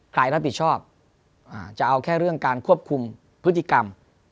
ใครรับผิดชอบจะเอาแค่เรื่องการควบคุมพฤติกรรม